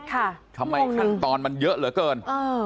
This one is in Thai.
ทำไมขั้นตอนมันเยอะเหลือเกินเออ